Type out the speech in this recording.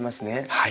はい。